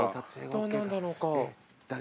どうなんだろうか。